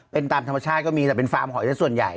เป็นตามธรรมชาติก็มีแต่เป็นฟาร์มหอยส่วนใหญ่